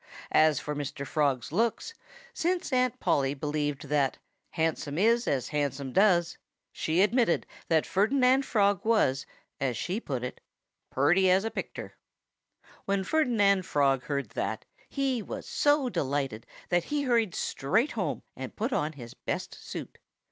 As for Mr. Frog's looks, since Aunt Polly believed that "handsome is as handsome does," she admitted that Ferdinand Frog was as she put it "purty as a picter." When Ferdinand Frog heard that, he was so delighted that he hurried straight home and put on his best suit.